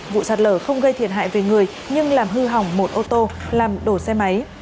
vụ sạt lở không gây thiệt hại về người nhưng làm hư hỏng một ô tô làm đổ xe máy